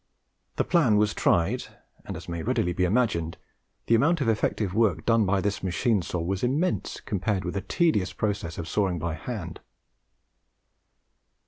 The plan was tried, and, as may readily be imagined, the amount of effective work done by this machine saw was immense, compared with the tedious process of sawing by hand.